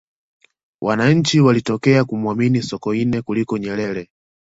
wananchi walitokea kumuamini sokoine kuliko nyerere